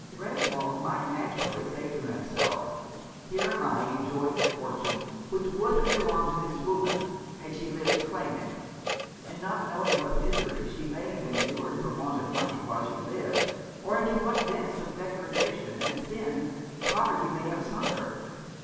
"Gres wold might naturally say to himself, 'Here am I enjoying the fortune which would have belonged to this woman, had she lived to claim it, and not knowing what miseries she may have endured for want of money while she lived, or into what depths of degradation and sin poverty may have sunk her.